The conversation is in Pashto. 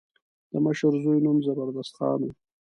د مشر زوی نوم زبردست خان و.